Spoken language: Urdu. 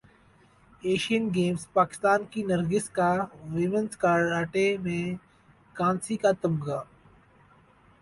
ایشین گیمز پاکستان کی نرگس کا ویمنز کراٹے میں کانسی کا تمغہ